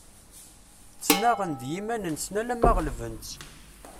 Ttenaɣen d yiman-nsen alamma ɣelben-tt.